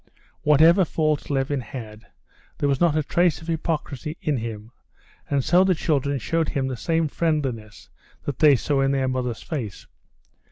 Whatever faults Levin had, there was not a trace of hypocrisy in him, and so the children showed him the same friendliness that they saw in their mother's face.